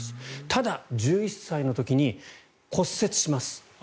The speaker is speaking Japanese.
ただ、１１歳の時に骨折します。